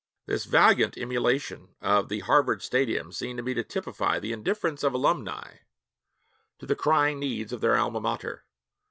This valiant emulation of the Harvard stadium seemed to me to typify the indifference of alumni to the crying needs of their alma mater.